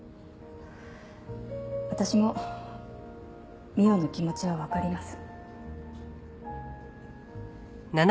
私も未央の気持ちはわかります。